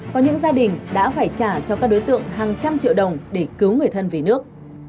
có những gia đình đã phải trả cho các đối tượng hàng trăm triệu đồng để cứu người thân về nước